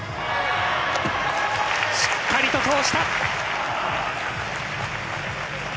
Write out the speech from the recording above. しっかりと通した。